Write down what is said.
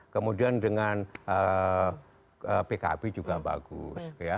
kemudian dengan pkb juga bagus